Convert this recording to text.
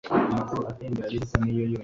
Ntabwo tuzigera tuva muri ibi